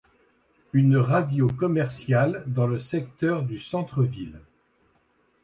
Une radio commerciale dans le secteur du centre-ville.